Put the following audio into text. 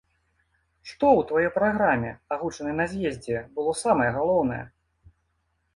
Што ў тваёй праграме, агучанай на з'ездзе, было самае галоўнае?